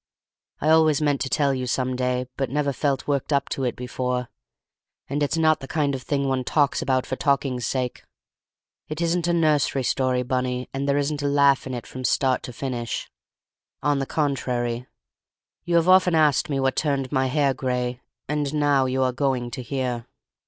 I always meant to tell you some day, but never felt worked up to it before, and it's not the kind of thing one talks about for talking's sake. It isn't a nursery story, Bunny, and there isn't a laugh in it from start to finish; on the contrary, you have often asked me what turned my hair gray, and now you are going to hear."